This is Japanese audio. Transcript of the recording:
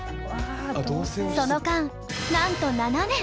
その間なんと７年！